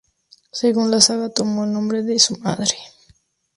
Según la saga, tomó el nombre de su madre.